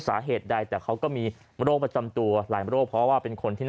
สาเหตุใดแต่เขาก็มีโรคประจำตัวหลายโรคเพราะว่าเป็นคนที่